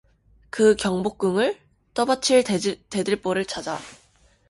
그 경복궁을? 떠받칠 대들보를 찾아